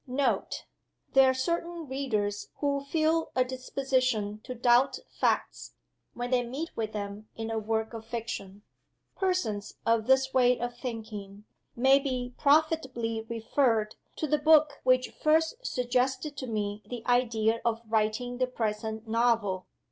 NOTE. There are certain readers who feel a disposition to doubt Facts, when they meet with them in a work of fiction. Persons of this way of thinking may be profitably referred to the book which first suggested to me the idea of writing the present Novel.